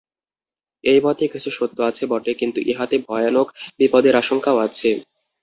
এই মতে কিছু সত্য আছে বটে, কিন্তু ইহাতে ভয়ানক বিপদের আশঙ্কাও আছে।